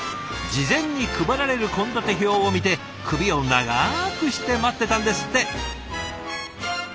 事前に配られる献立表を見て首を長くして待ってたんですって。